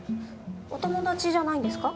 お友達じゃないんですか？